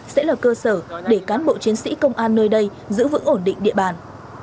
sẽ là cơ sở để cán bộ chiến sĩ công an nơi đây giữ vững ổn định địa bàn